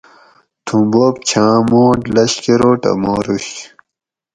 تھوں بوب چھاں موٹ لشکروٹہ ماروش